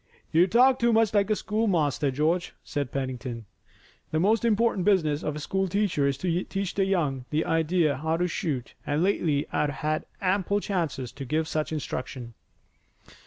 "You talk too much like a schoolmaster, George," said Pennington. "The most important business of a school teacher is to teach the young idea how to shoot, and lately I've had ample chances to give such instruction."